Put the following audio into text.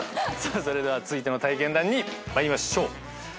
それでは続いての体験談に参りましょう。